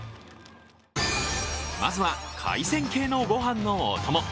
まずは海鮮系のご飯のお供。